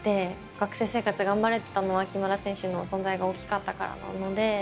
学生生活頑張れてたのは木村選手の存在が大きかったからなので。